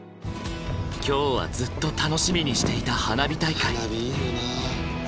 今日はずっと楽しみにしていた花火大会。